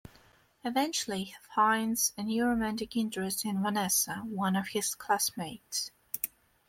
Eventually he finds a new romantic interest in Vanessa, one of his classmates.